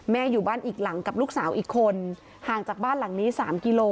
อยู่บ้านอีกหลังกับลูกสาวอีกคนห่างจากบ้านหลังนี้๓กิโล